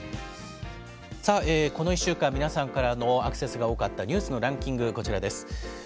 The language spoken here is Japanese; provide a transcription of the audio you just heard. さあ、この１週間、皆さんからのアクセスが多かったニュースのランキング、こちらです。